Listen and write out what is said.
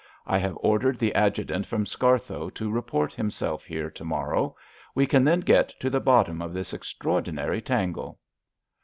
I have ordered the adjutant from Scarthoe to report himself here to morrow. We can then get to the bottom of this extraordinary tangle."